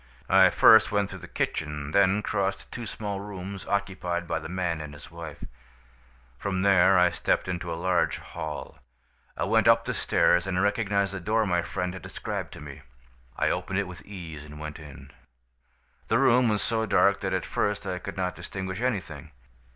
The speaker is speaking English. "I first went through the kitchen, then crossed two small rooms occupied by the man and his wife. From there I stepped into a large hall. I went up the stairs, and I recognized the door my friend had described to me. "I opened it with ease and went in. "The room was so dark that at first I could not distinguish anything.